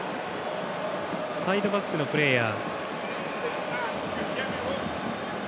サイドバックのプレーヤー。